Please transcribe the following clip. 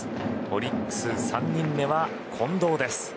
オリックス、３人目は近藤。